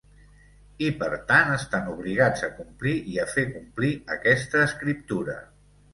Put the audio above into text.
I per tant estan obligats a complir i a fer complir aquesta escriptura.